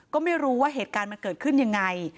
ก็ไม่รู้ว่าเหตุการณ์มันเกิดขึ้นยังไง